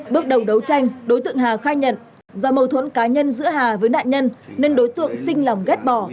bước đầu đấu tranh đối tượng hà khai nhận do mâu thuẫn cá nhân giữa hà với nạn nhân nên đối tượng xinh lòng ghép bỏ